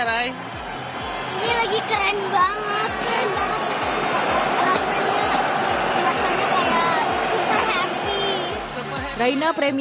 ini lagi keren banget keren banget rasanya kayak super happy